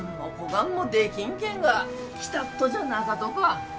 がんもできんけんが来たっとじゃなかとか？